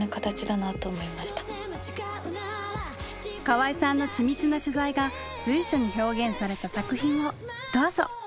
河合さんの緻密な取材が随所に表現された作品をどうぞ！